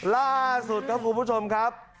ล่าสุดครับคุณผู้ชมครับ